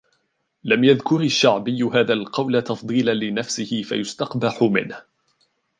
لَمْ يَذْكُرْ الشَّعْبِيُّ هَذَا الْقَوْلَ تَفْضِيلًا لِنَفْسِهِ فَيُسْتَقْبَحُ مِنْهُ